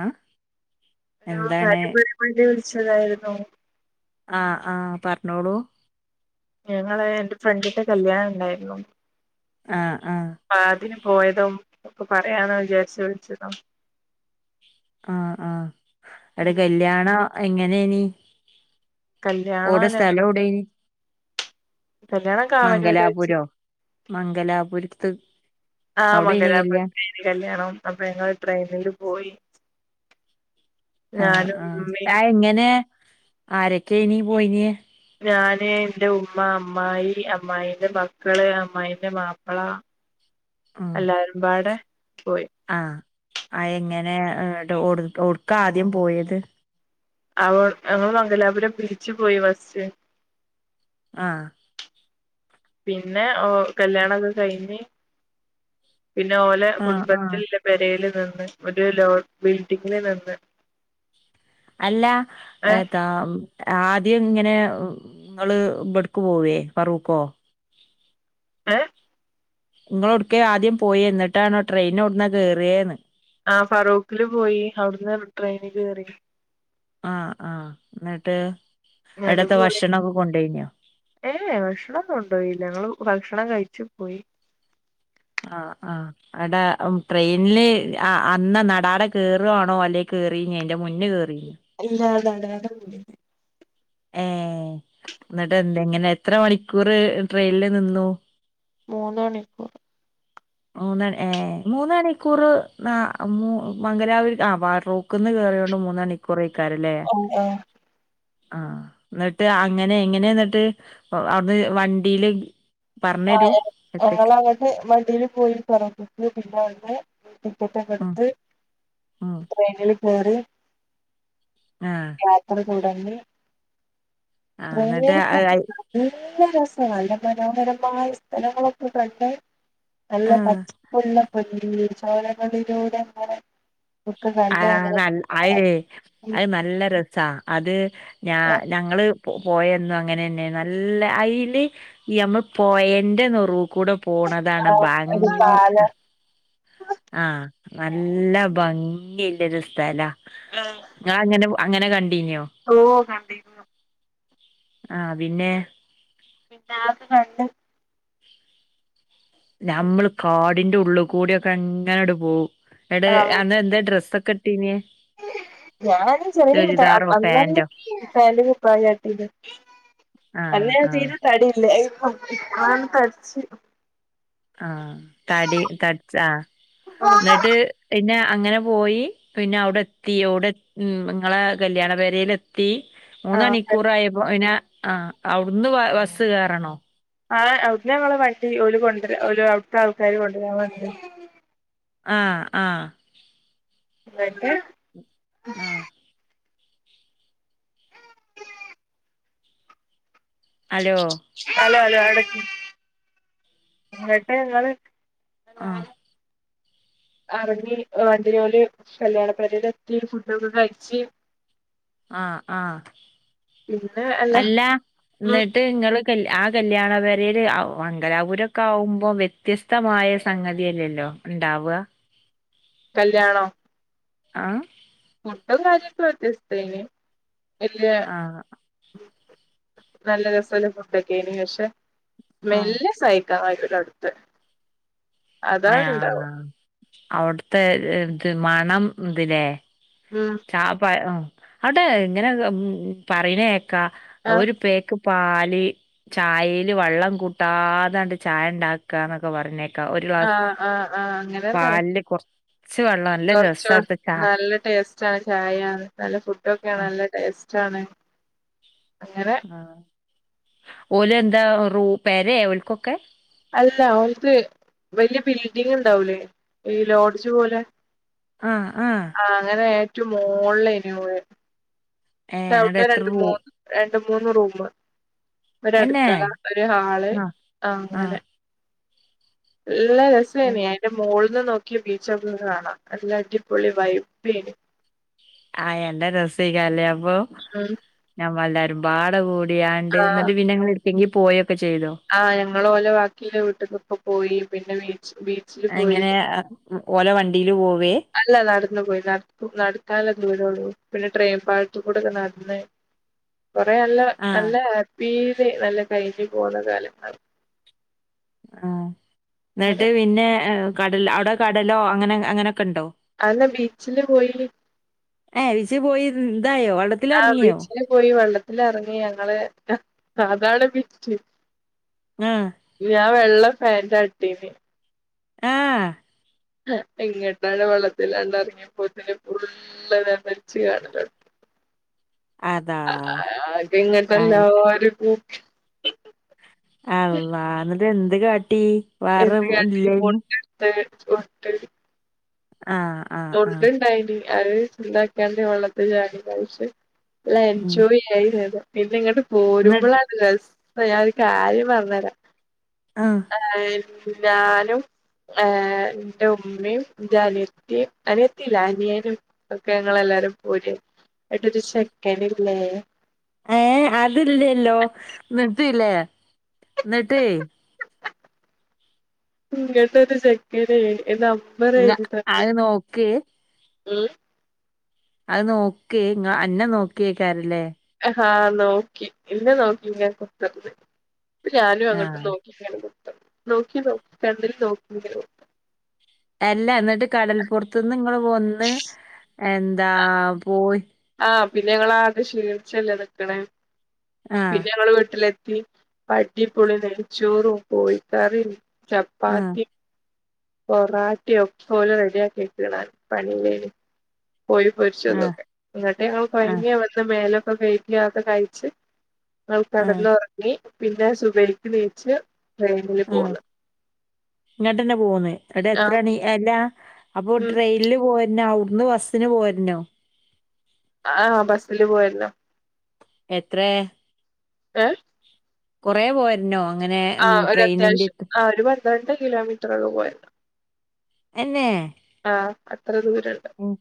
അഹ് hello കാര്യം പറയാൻ വേണ്ടി വിളിച്ചതായിരുന്നു ആഹ് ആഹ് പറഞ്ഞോളൂ ഞങ്ങള് എന്റെ ഫ്രണ്ടിന്റെ കല്യാണം ഉണ്ടായിരുന്നു ആഹ് ആഹ് അതിന് പോയതും ഒക്കെ പറയാന്ന് വിചാരിച്ചു വിളിച്ചത ആഹ് ആഹ് എവിടെ ഉം കല്യാണ എങ്ങനെനി കല്യാണം ഓടെ ഞങ്ങ സ്ഥലോടെനി കല്യാണം കാവനൂര് വെച്ച് മംഗലാപുരോ മംഗലാപുരത്ത് ആഹ് അവിടേനി കല്യാണം മംഗലപുരതയിന് കല്യാണം അപ്പൊ ഞങ്ങള് ട്രെയിനില് പോയി ആഹ് ഞാനും ആഹ് ഉമ്മയും അതങ്ങന ആരക്കെനി പോയിനെ ഞാന് എന്റെ ഉമ്മ അമ്മായി അമ്മായിന്റെ മക്കള് അമ്മായിന്റെ മാപ്പിള ഉം അല്ലാരുംപാടെ പോയി ആഹ് ആഹ് എങ്ങനെ എടുക്കാ ആദ്യം പോയത് അവ അങ്ങൾ മംഗലാപുരം പിടിച്ച് പോയി ബസ് ആഹ് പിന്നെ ഓ കല്യാണക്കെ കഴിഞ്ഞ് പിന്നെ ഓലെ ആഹ് ആഹ് കുടുംബത്തില് ല- പരേൽ നിന്ന് ഒരു ലോ ബിൽഡിങ്ങിൽ നിന്ന് അല്ല ഏ ഏതാം ആദ്യഇങ്ങനെ ഇങ്ങൾ ഇബടുക്കു പോവേ പറൂക്കോ ഏ നിങ്ങളോടുക്ക ആദ്യം പോയേ എന്നിട്ടാണോ ട്രെയിനോടന്ന് കയറിയെന്ന് ആ ഫറൂഖില് പോയി അവിടുന്ന് ട്രെയിനി കേറി ആ ആ എന്നിട്ട് ഇങ്ങട്ട് ഇടത്തെ പോയി ഭക്ഷണൊക്കെ കൊണ്ടോയിഞൊ ഏ ഭക്ഷണന്നും ഉണ്ടോയില്ല ഞങ്ങള് ഭക്ഷണം കഴിച്ചു പോയി ആ ആ അടാ ട്രെയിനില് ആ അന്ന് നടാട കയറുആണോ അല്ലെ കയറിനിഅന്റെ മുന്നേ കേറി- ഇല്ലാ നാടാട [unintelligible] ഏ എന്നിട്ട് എന്താ എങ്ങനെ എത്ര മണിക്കൂർ ട്രെയില് നിന്നു മൂന്ന് മണിക്കൂർ മൂന്നൺ ഏ മൂന്നഅണിക്കൂർ ന മു മംഗലപുരി ആ വാറു- ക്കുന്ന് കയറിയോണ്ട് മൂന്നണിക്കൂറക്കാരല്ലേ ഉം അ ആ എന്നിട്ട് അങ്ങനെ എങ്ങനെ എന്നിട്ട് അവിടുന്ന് വണ്ടിയില് പറഞ്ഞരു എത്തക്ക് വണ്ടിൽ പോയി [unintelligible] പിന്നെ അന്നെ ടിക്കറ്റൊക്കെ ഉം എടുത്ത് ഉം ട്രേനിൽ കേറി ആ യാത്ര തുടങ്ങി ആഹ് എന്നിട്ട് [unintelligible] നല്ല രസാ നല്ല മനോഹരമായ സ്ഥലങ്ങളൊക്കെ കണ്ട് നല്ല ആഹ് പച്ച പ്പുള്ള പന [unintelligible] ചോലകളിലൂടെ എന്താണ് ആ നല്ല അയിരേ അ നല്ല രസാ അത് ഞ ഞങ്ങള് പോ പോയന്നു അങ്ങനെന്നെ നല്ല അയില് എമ്മ പോയന്റെ നെറുകൂടെ പോണതാണ് ഒരു ഭാങ്- പാലം ആ നല്ല ഭംഗിയല്ലരു സ്ഥലാ ആ ഞ അങ്ങനെ അങ്ങനെ കണ്ടീന്യോ ഓ കണ്ടിന്നു ആ പിന്നെ പിന്നെ ആ [unintelligible] നമ്മൾ കാടിന്റെ ഉള്ളി കൂടിയൊക്കെ അങ്ങനൊട് പോവും എടെ ആഹ് അന്ന് എന്താ ഡ്രസ്സൊക്കെ ട്ടിനെ ഞാന് ചെറിയട് അന്ന പാന്റോ [unintelligible] പ്രായട്ടില്ല ആഹ് അന്ന ആഹ് തീരെ തടില്ലേ [unintelligible] നൻ തടിച്ച് ആഹ് തടി തടിച് ആ എന്നിട്ട് പിന്നെ അങ്ങനെ പോയി പിന്നെ അവിടെ എത്തി ഓടെ എ ഉം നിങ്ങളെ കല്യാണ പേരേൽ എത്- ത്തി ആഹ് മൂന്നഅണിക്കൂറായപ്പോ ഇനെ ആ അവിടുന്ന് ബ ബസ് കേറണോ ആ അ ഞങ്ങള് വണ്ടി ഓല് കൊണ്ടരാ ഔല് അവിട്ത്തെ ആൾക്കാര് കൊണ്ടുവരാൻ [unintelligible] ആ ആ എക്കെ [unintelligible] ആ അലോ അലോ അലോ ആടക്ക് എന്നിട്ട് നിങ്ങള് ആഹ് എറങ്ങി വണ്ടിയെല് കല്യാണ പേരേല് എത്തി ഫുഡൊക്കെ കഴിച്ച്- ആഹ് ആഹ് പിന്നെ അല്ല അല്ലാ എന്നി ഉം - ട്ട് നിങ്ങള് കല്യ ആഹ് കല്യാണ പെരെല് മംഗലാപുരൊക്കെ ആവുമ്പോ വ്യത്യസ് ത്തമായ സംഗതിയല്ലല്ലോ ഇണ്ടാവുക കല്യാണം ആഹ് ഫുഡും കാര്യക്കെ വ്യത്യസ്ഥവാണേ വല്യ- ആഹ് നല്ല രസല്ല ഫുഡൊക്കെനി പക്ഷെ ആഹ് മെല്ലെ സയ് കായൂരട്ത്ത് [unintelligible] അയാ അവുടുത്തെ മണം [unintelligible] ഉം അവിടെ ഇങ്ങനെ പറണ കേക്കാം ആഹ് ഒരു പേക്ക്- പാല് ചായേല് വള്ളം കൂട്ടാതാണ്ട് ചായ ഉണ്ടാക്കുവാന്നൊക്കെ പർഞ്ഞേ ഒരു ഗ്ലാസ് ആഹ് ആഹ് ആഹ് അങ്ങനെന്നെ പാലിന്റെ കൊറച്ച് വെള്ളം നല്ല കൊർച്ചോ രസവാ അവുടുത്തെ ചായ - നല്ല ടേസ്റ്റാണ് ചായ നല്ല ഫുഡൊക്കെയാണ് ആഹ് നല്ല ടേസ്റ്റാണ് അങ്ങനെ- ആഹ് ഓലെന്താ റൂ പെരെയോ ഓൽക്കൊക്കെ? അല്ല ഓലക്ക് വല്യ ബിൽഡിങ്ങ്ണ്ടാവൂലേ ഈ ലോഡ്ജ് പോലെ ആഹ് ആഹ് ആഹ് അങ്ങനെ ഏറ്റും മോള്ളേനോ [unintelligible] ള് ഏഹ് ട്ടൗ [unintelligible] എന്നിട്ട് ടെ എത്ര രണ്ട് റൂ മൂന്ന് രണ്ട് മൂന്ന് റൂമ് ഒരു എന്നേ അടുക്കള ഒരു ഹാള് ആഹ് അങ്ങനെ ആഹ് നല്ല രസവെനി പിന്നെ മോൾന്ന് നോക്കിയ ബീച്ചൊക്കെ കാണാം നല്ല അടിപൊളി വൈബ്ബേനു ആയാ [unintelligible] രസേക്കാരെ ഉം [unintelligible] ഞമ്മല്ലാരും വാട കൂടിയാണ്ട് ആഹ് എന്നിട്ട് പിന്നെ ഞങ്ങള് എട്ക്ക് എങ്കി പോയൊക്കെ ചെയ്തോ ആഹ് ഞങ്ങള് ഓലെ ബാക്കിലുള്ള വീട്ട്ക്കൊക്കെ പോയി പിന്നെ വീ ബീച് എങ്ങനെ ഓലെ വണ്ടീല് പോവേ അല്ലല്ല നടന്നു പോയി നട് നട്ക്കാനുള്ള ദൂരൊള്ളൂ പിന്നെ ട്രെയിൻ പാളത്തിക്കൂടൊക്കെ നട്ന്ന്- കൊറെ നല്ല ആ നല്ല ഹാപ്പീല് നല്ല കഴിഞ്ഞ് പോന്ന കാലം ആഹ് എന്നിട്ട് അങ്ങനെ പിന്നെ കടൽ അവിടെ കടലോ അങ്ങനെ അങ്ങനൊക്കെണ്ടോ അന്ന് ബീച്ചില് പോയി ഏഹ് വീച്ച് പോയി ഇതായോ ആഹ് വള്ളത്തിലെറങ്ങിയോ ബീച്ചില് പോയി വെള്ളത്തിലെറങ്ങി ഞങ്ങള് അതാണ് വിറ്റ് ആഹ് ഞാൻ വെള്ള പാന്റ് ആ ഇട്ടേനി ആഹ് ഇങ്ങട്ടാടെ വെള്ളത്തിലാണ്ട് എറങ്ങിയപ്പോത്തിനും ഫുള്ള് എല്ലാം നനച്ചു കാണും അതാ ആകെ ആ ഇങ്ങട്ടെല്ലാരും കൂ അള്ളാ എന്നിട്ട് എന്ത് കാട്ടീ വേറെ എന്ത് കാട്ടി ഇല്ലേനി [unintelligible] ആഹ് തൊണ്ട്ണ്ടായിനി ആവ് എന്താക്ക്‌യാണ്ട് വെള്ളത്തി ചാടി കളിച് നല്ല ഉം എൻജോയ് ജോയ് ചെയ്തു പിന്നെ ഇങ്ങട്ട് എന്നിട്ട് പോരുമ്പളാണ് രസം ഞാനൊരു കാര്യം പറഞ്ഞു തരാം ആഹ് ഞാനും ഏഹ് എന്റെ ഉമ്മേം എന്റെ അനിയത്തിം അനിയത്തില്ല അനിയനും ഒക്കെ ഞങ്ങളെല്ലാരും പോര് ഏന്നിട്ടൊരു ചെക്കനില്ലേ ഏഹ് അതില്ലല്ലോ എന്നിട്ട്ല്ലേ എന്നിട്ടേയ് ഇങ്ങട്ടൊരു ചെക്കനെ നമ്പറ് എഴുതി തന്ന് അത് നോക്ക് ഉം അത് നോക്ക് ങ്ങ അന്നെ നോക്കേക്കാരലേ? ആഹ് ആഹ് നോക്കി ഇന്നെ നോക്കിങ്ങെ കുത്തർന്ന് അപ്പ ഞാനും ആ അങ്ങട്ട് നോക്കി നോക്കി നോ കണ്ടിൽ നോക്ക അല്ല എന്നിട്ട് കടൽപ്പുറത്തു നിന്ന് നിങ്ങൾ വന്ന് എന്താ പോയി ആഹ് പിന്നെ ഞങ്ങ ആദ്യ ശീച്ചല്ല നിക്കണേ ആഹ് പിന്നെ ഞങ്ങള് വീട്ടിലെത്തി പ അടിപ്പൊളി നെയ്ച്ചോറും കോഴിക്കറി ആഹ് ചപ്പാത്തി പൊറാട്ടി ഒക്കെ ഓലും റെഡി ആക്കി വെച്ചിണ് പള്ളീൽ കോയി ആഹ് പൊരിച്ചതൊക്കെ എന്നിട്ട് ഞങ്ങ ആഹ് കഴഞ്ഞി വന്ന് മേലൊക്കെ കൈക്കി അത്‌ കഴിചെ ഞങ്ങൾ ആഹ് കടന്നുറങ്ങി പിന്നെ സുബക്ക് നീച്ച് ട്രെയിനില് ആഹ് പോന്ന് ഇങ്ങട്ടന്നെ പോന്ന് എന്നട്ട് എത്ര ആഹ് മണി അല്ല അപ്പൊ ഉം ട്രെയിൻ ല് പോരുന്നോ അവിടുന്ന് ബസ്സിന് പോരുന്നോ ആഹ് ബസ്സില് പോര്ണം എത്ര ഏഹ് കൊറെ പോര്ന്നോ ആഹ് ഒരു അത്യാവശ്യം ആഹ് ഒരു പന്ത്രണ്ട് കിലോമീറ്ററള്ള പോര്ണം എന്നെ ആഹ് അത്ര ദൂരണ്ട് ഉം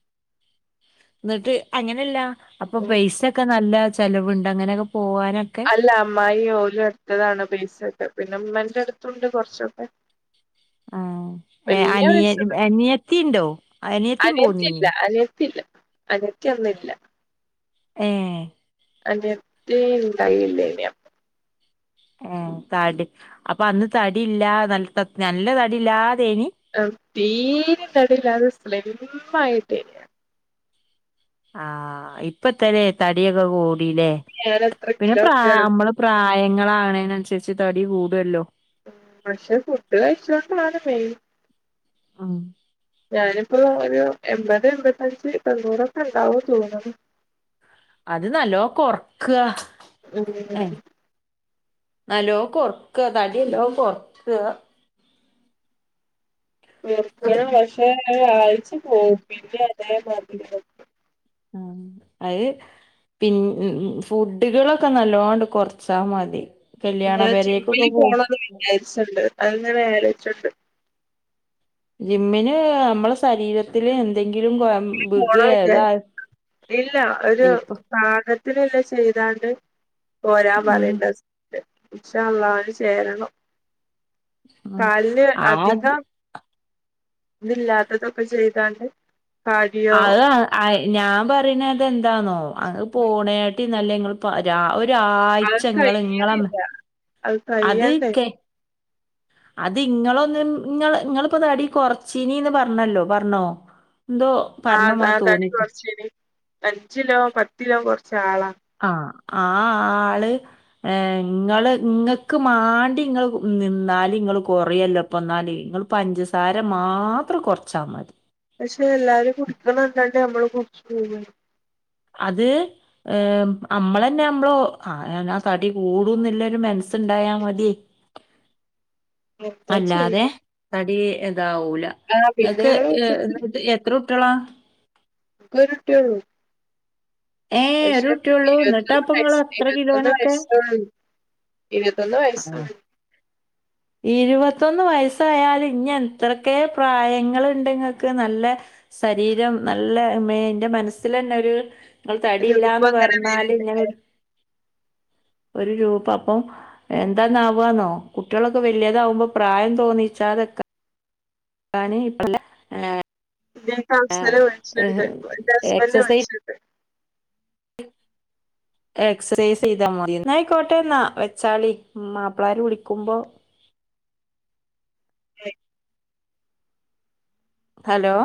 ഇന്നിട്ട് അങ്ങനല്ല അപ്പൊ ഉം പൈസ ഒക്കെ നല്ല ചേലവുണ്ട് അങ്ങനെയൊക്കെ പോവാനൊക്കെ അല്ല അമ്മായി ഓരോ എടുത്തതാണ് പൈസക്കെ പിന്നെ ഉമ്മന്റെ അടുത്തുണ്ട് കുറച്ചൊക്കെ ആഹ് [inaudible] ഏഹ് വല്ല്യ അനിയ പൈസ ഒന്നും അനിയത്തിണ്ടോ ഇല്ല അനിയത്തിയും പോന്നീനി അനിയത്തില്ല അനിയത്തില്ല അനിയത്തി അന്ന് ഇല്ല ഏഹ് അനിയത്തി ഉണ്ടായില്ലേന്ൻ അഹ് തടി അപ്പ അന്ന് തടിയില്ല ന നല്ല തടില്ല തേനി ആഹ് തീരെ തടില്ലാതെ സ്ലിംമായിട്ടേ ആഹ് ഇപ്പത്തല്ലേ തടിയൊക്കെ കൂടില്ലേ ഞാൻ എത്ര പിന്നെ കിലോ പ്ര ഉണ്ടായിരുന്നു നമ്മള് പ്രായങ്ങളാണേന്നുസരിച്ച് തടി കൂടുല്ലോ പക്ഷെ ഫുഡ് കഴിച്ചൊണ്ടാണ് മെയിൻ ആഹ് ഞാനിപ്പോ ഒരു എൺപത് എൺമ്പത്തഞ്ച് തോണ്ണൂറൊക്കെ ഉണ്ടാവോ തോന്നത് അത് നല്ലോ കൊറക്ക ഉം ഏഹ് നല്ലോ കൊറക്ക തടി നല്ലോ കൊറക്ക [unintelligible] ഒരു ആഴ്ച പോവും പിന്നെ അതേമാതിരി ആഹ് അഹ് പിന്ന ഫുഡുകളൊക്കെ നല്ലോട് കുറച്ചാ മതി കല്ല്യാണ പേരേക്കൊക്കെ പോ വിചാരിച്ചുണ്ട് അത്ങ്ങനെ ആലോചിച്ചുണ്ട് ജിമ്മിന് നമ്മള ശരീരത്തില് എന്തെങ്കിലും കൊ പോണില്ല ഇല്ല ഒരു ഇപ്പൊ സാ ത്തിനുള്ള ചെയ്താണ്ട് പോരാൻ ഉം പറയേണ്ട ഇൻക്ഷ അള്ള അയ്ൻ ചേരണം ഉം കാല്ൻ ആത് അധികം ഇതില്ലാത്തതൊക്കെ ചെയ്താണ്ട് കാടിയോ അത് ഞാൻ പറയുന്നത എന്താന്നോ അത് പോണയിട്ട് നല്ല നിങ്ങൾ അത് ഒരാഴ്ച ഇങ്ങൾ ങ്ങളമ്മ കയ്യണില്ല അത് ക്കെ അത് ഇങ്ങളൊന്നും ഇങ്ങള് ഇങ്ങളിപ്പോ തടി കൊറച്ചീനീന്ന് പറഞ്ഞല്ലോ പറഞ്ഞോ അതോ ആഹ് അഹ് തടി കുറച്ചീന് അഞ്ചിലോ പത്തിലോ കൊറച്ച് ആളാ ആ ആ ആള്, ഏഹ് ഇങ്ങള് ഇങ്ങക്ക് മാണ്ടി ഇങ്ങള് നിന്നാല് ഇങ്ങള് കൊറേയല്ലോ. പ്പന്നാല് ഇങ്ങള് പഞ്ചസാര മാത്രം കൊർച്ചാ മതി. പക്ഷെ എല്ലാരും കുടിക്കണണ്ടഴിഞ്ഞ മ്മള് കുടിച്ച് [unintelligible] അത് ഏഹ് അമ്മളന്നെ അമ്മളോ ആ ഞാ തടി കൂടൂന്ന്ള്ളരു മന്സ്സ്ണ്ടായാ മതി. [inaudible] അല്ലാതെ ചെയ്യ തടി ഇതാവൂല. ആ പിന്നെ ങ്ങക്ക് ഞങ്ങള് ഏഹ് [unintelligible] എത്രുട്ടികളാ? എനിക്കൊരുട്ട്യേള്ളു. ഏഹ് ഒരു പക്ഷെ കുട്ടിയള്ളൂ എന്നിട്ടാ [unintelligible] അപ്പ നിങ്ങള് അത്ര കിലോനൊക്കെ വയസായി. ഇരുപതൊന്നു വയസ് ആഹ് ആയി. ഇരുപത്തൊന്ന് വയസ്സായാലും ഇഞ്ഞ ത്രക്കെ പ്രായങ്ങള്ണ്ട് ങ്ങക്ക് നല്ലെ സരീരം നല്ല മേന്റെ മനസ്സ്ല് ന്നൊരു, രൂപ തടില്ലാന്ന് അങ്ങനെ പർണാല് വരണ്ട് ഇങ്ങനെരു ഒരു രൂപപ്പം എന്താന്നാവാന്നോ, കുട്ട്വാളൊക്കെ വല്യാതാവുമ്പം പ്രായം തോന്നിച്ചാതക്ക [unintelligible] ന് പ്പല്ല ഏഹ് [unintelligible] എന്റസ്ബന്റ് എക്സസൈസ് [unintelligible] [unintelligible] എക്സൈസ് ചെയ്താൽ മതി. ന്നായ്ക്കോട്ടെന്നാ വെച്ചാളി. മാപ്പ്ളാര് വിളിക്കുമ്പൊ, എ ഹലോ